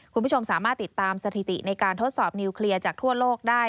คุณผู้ชมสามารถติดตามสถิติในการทดสอบนิวเคลียร์จากทั่วโลกได้